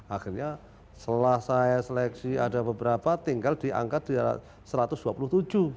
akhirnya setelah saya seleksi ada beberapa tinggal diangkat di atas satu ratus dua puluh tujuh